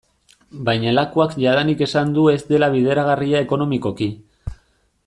Baina Lakuak jadanik esan du ez dela bideragarria ekonomikoki.